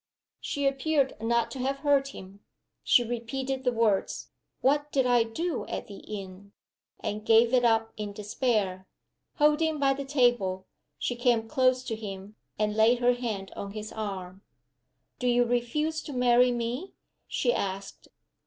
She appeared not to have heard him. She repeated the words, "What did I do at the inn?" and gave it up in despair. Holding by the table, she came close to him and laid her hand on his arm. "Do you refuse to marry me?" she asked.